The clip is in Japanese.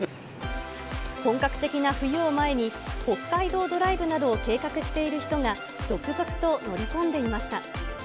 本格的な冬を前に、北海道ドライブなどを計画している人が続々と乗り込んでいました。